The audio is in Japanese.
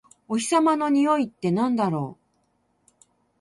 お日様のにおいってなんだろう？